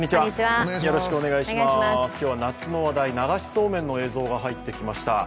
今日は夏の話題、流しそうめんの映像が入ってきました。